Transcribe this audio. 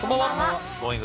Ｇｏｉｎｇ！